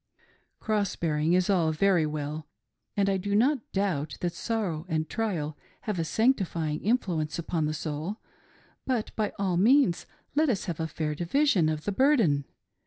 Cross bearing is all very well, and I do not doubt that sorrow and trial have a sanctifying influence upon the soul, but by all means let us have a fair division of the burden.